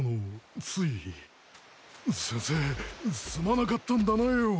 先生すまなかったんだなよ。